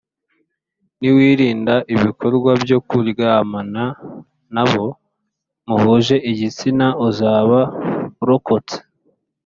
niwirinda ibikorwa byo kuryamana n’abo muhuje igitsina uzaba urokotse